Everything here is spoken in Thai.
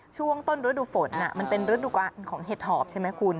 ช่วงต้นฤดูฝนมันเป็นฤดูการของเห็ดหอบใช่ไหมคุณ